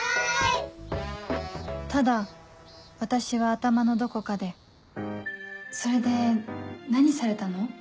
ただ私は頭のどこかでそれで何されたの？